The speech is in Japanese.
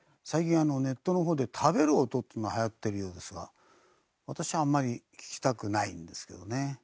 最近ネットの方で食べる音ってのが流行ってるようですが私はあんまり聞きたくないんですけどね。